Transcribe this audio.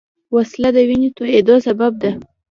وسله د وینې د تویېدو سبب ده